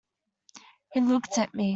He looked at me.